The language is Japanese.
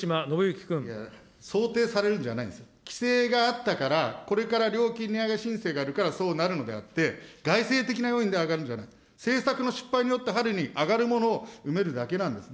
想定されるんじゃないんです、規制があったから、これから料金値上げ申請があるから、そうなるんであって、外政的な要因で上がるんじゃない、政策の失敗によって、春に上がるものを埋めるだけなんです。